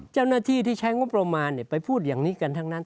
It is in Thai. เจ้าหน้าที่ที่ใช้งบประมาณไปพูดอย่างนี้กันทั้งนั้น